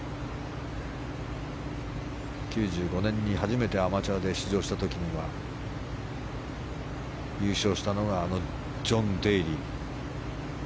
９５年に初めてアマチュアで出場した時には優勝したのがあのジョン・デーリー。